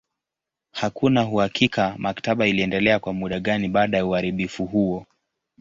Hakuna uhakika maktaba iliendelea kwa muda gani baada ya uharibifu huo.